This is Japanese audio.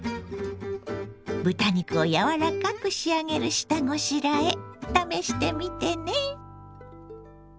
豚肉を柔らかく仕上げる下ごしらえ試してみてね。